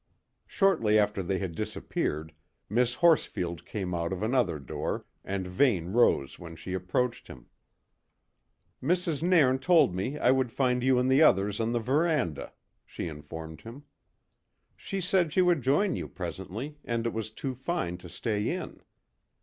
Shortly after they had disappeared, Miss Horsfield came out of another door, and Vane rose when she approached him. "Mrs. Nairn told me I would find you and the others in the verandah," she informed him. "She said she would join you presently, and it was too fine to stay in."